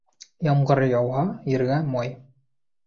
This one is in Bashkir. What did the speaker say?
Ямғыр яуһа, ергә май.